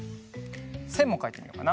せんもかいてみようかな。